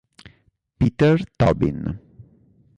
Peter Tobin